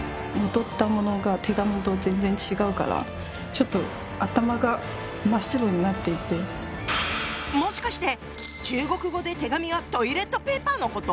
ちょっともしかして中国語で手紙はトイレットペーパーのこと？